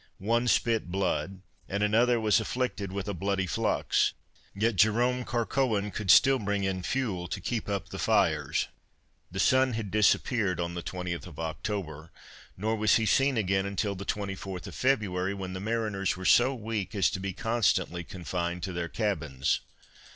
One spit blood, and another was afflicted with a bloody flux; yet Jerome Carcoen could still bring in fuel to keep up the fires. The sun had disappeared on the 20th of October, nor was he seen again until the 24th of February, when the mariners were so weak as to be constantly confined to their cabins.